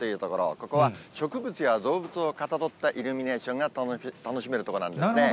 ここは植物や動物をかたどったイルミネーションが楽しめる所なんですね。